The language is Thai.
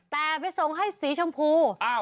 แต่ไปส่งให้สีชมพู